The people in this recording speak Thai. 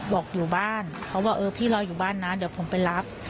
บอกอยู่บ้านเขาบอกเออพี่รออยู่บ้านนะเดี๋ยวผมไปรับ